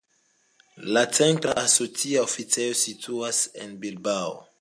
La centra asocia oficejo situas en Bilbao.